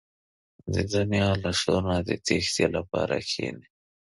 • د دنیا له شور نه د تیښتې لپاره کښېنه.